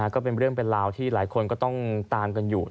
ก็เป็นเรื่องเป็นราวที่หลายคนก็ต้องตามกันอยู่